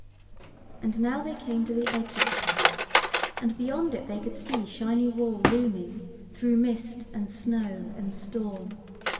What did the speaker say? And now they came to the edge of the pack, and beyond it they could see Shiny Wall looming, through mist, and snow, and storm.